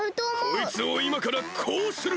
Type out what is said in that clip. こいつをいまからこうする！